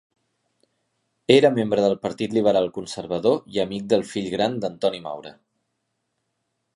Era membre del Partit Liberal Conservador i amic del fill gran d'Antoni Maura.